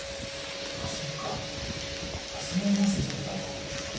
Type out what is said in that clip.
あっそっかそう思わせちゃってたのか。